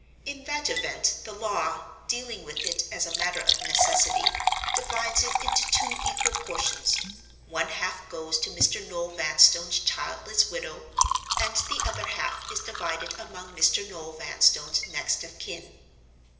In that event the Law, dealing with it as a matter of necessity, divides it into two equal portions. One half goes to Mr. Noel Vanstone's childless widow, and the other half is divided among Mr. Noel Vanstone's next of kin.